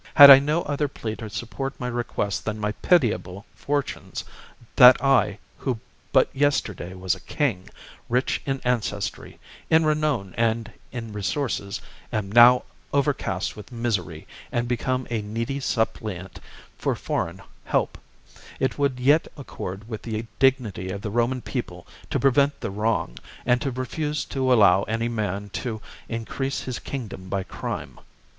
"Had I no other plea to support my request than my pitiable fortunes, that I, who but yesterday was a king, rich in ancestry, in renown, and in resources, am now overcast with misery and become a needy suppliant for foreign help, it would yet accord with the dignity of the Roman people to prevent the wrong and to refuse to allow any man to increase his king dom by crime.